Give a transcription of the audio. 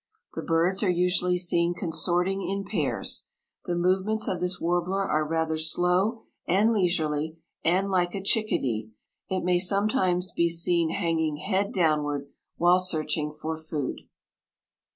The birds are usually seen consorting in pairs. The movements of this warbler are rather slow and leisurely, and, like a chickadee, it may sometimes be seen hanging head downward while searching for food.